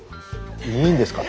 いいんですか？